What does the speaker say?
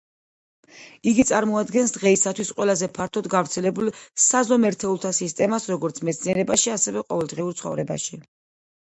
იგი წარმოადგენს დღეისათვის ყველაზე ფართოდ გავრცელებულ საზომ ერთეულთა სისტემას, როგორც მეცნიერებაში ასევე ყოველდღიურ ცხოვრებაში.